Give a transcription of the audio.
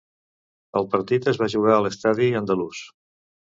El partit es va jugar a l’estadi andalús.